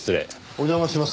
お邪魔します。